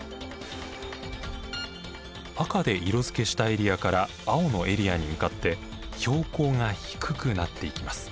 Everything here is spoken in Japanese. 赤で色づけしたエリアから青のエリアに向かって標高が低くなっていきます。